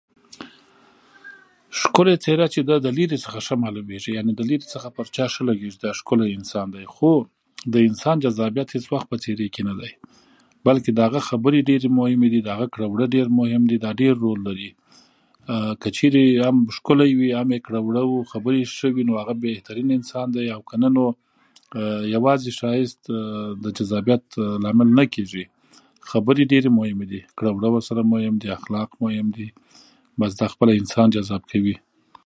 ښکلې څېره چې ده د لیرې څخه ښه معلومېږي، یعني د لیرې څخه پر چا ښه لګېږي چې دا ښکلی انسان دي خو د انسان جزابیت هیڅ وخت په څېرې کې ندې، بلکې د هغه خبري ډیرې مهمې دي د هغه کړه وړه ډیر مهم دي دا ډیر رول لري که چیرې هم ښکلی وي هم یې کړه وړه و خبرې ښه وي نو هغه بهترین انسان دي . او که نه نو یوازې ښایست د جزابیت لامل نکېږي، خبرې ډیرې مهمې دي، کړه وړه ورسره مهم دي اخلاق مهم دي بس دا خپله انسان جذاب کوي